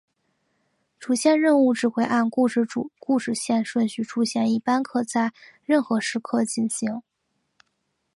主线任务只会按游戏主故事线顺序出现一般可在任何时刻进行。